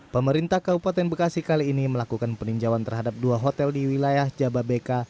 pemerintah kabupaten bekasi kali ini melakukan peninjauan terhadap dua hotel di wilayah jababeka